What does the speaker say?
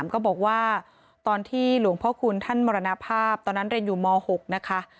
ก็บอกว่าตอนที่หลวงพ่อคุณท่านมรณภาพตอนนั้นเรียนอยู่ม๖นะคะ